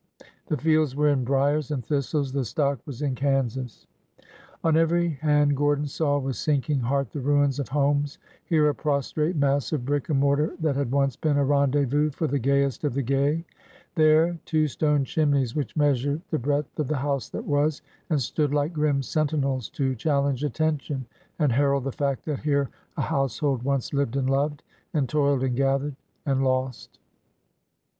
The fields were in briers and thistles. The stock was in Kansas. On every hand Gordon saw with sinking heart the ruins of homes,— here a prostrate mass of brick and mortar that had once been a rendezvous for the gayest of the gay; there, two stone chimneys which measured the breadth of the house that was, and stood like grim sentinels to chal lenge attention and herald the fact that here a household once lived and loved, and toiled and gathered— and lost.